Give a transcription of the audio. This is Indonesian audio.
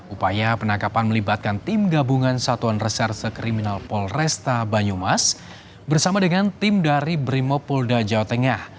upaya penangkapan melibatkan tim gabungan satuan reserse kriminal polresta banyumas bersama dengan tim dari brimopolda jawa tengah